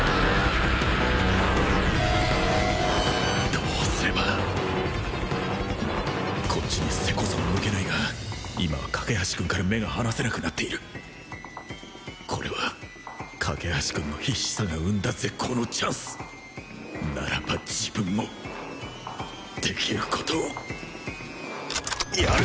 どうすればこっちに背こそ向けないが今は架橋君から目が離せなくなっているこれは架橋君の必死さが生んだ絶好のチャンスならば自分もできることをやる！